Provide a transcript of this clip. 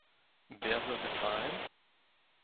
Wer soll bezahlen?